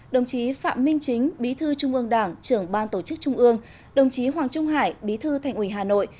đồng chí phạm minh chính bí thư trung ương đảng trưởng ban tổ chức trung ương đồng chí hoàng trung hải bí thư thành ủy hà nội